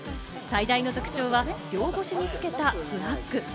最大の特徴は両腰につけたフラッグ。